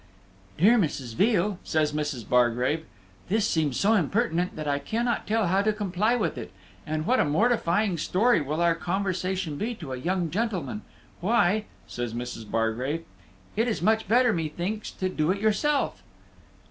"Dear Mrs. Veal," says Mrs. Bargrave, "this seems so impertinent that I cannot tell how to comply with it; and what a mortifying story will our conversation be to a young gentleman. Why," says Mrs. Bargrave, "it is much better, methinks, to do it yourself."